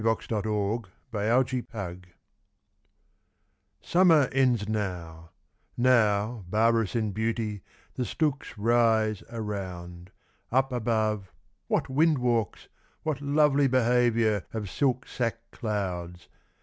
14 Hurrahing in Harvest SUMMER ends now; now, barbarous in beauty, the stooks rise Around; up above, what wind walks! what lovely behaviour Of silk sack clouds!